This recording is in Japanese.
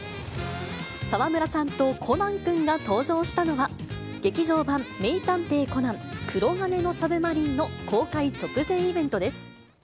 沢村さんとコナン君が登場したのは、劇場版名探偵コナン黒鉄の魚影の公開直前イベントです。